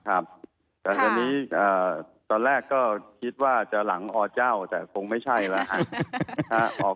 แต่ตอนนี้ตอนแรกก็คิดว่าจะหลังอเจ้าแต่คงไม่ใช่แล้ว